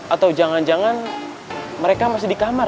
atau jangan jangan mereka masih dikamar